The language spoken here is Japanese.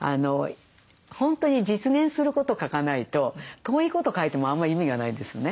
本当に実現すること書かないと遠いこと書いてもあんま意味がないんですよね。